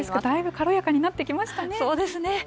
だいぶ軽やかになってきましたね。